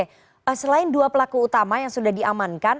oke selain dua pelaku utama yang sudah diamankan